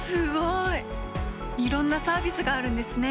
いろんなサービスがあるんですね。